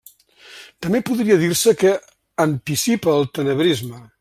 També podria dir-se que anticipa el tenebrisme.